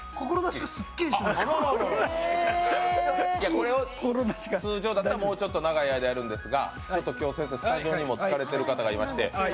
これが通常だったらもうちょっと長い間やるんですがちょっと先生、今日スタジオにも疲れている方がいまして。